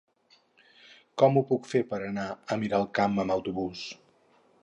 Com ho puc fer per anar a Miralcamp amb autobús?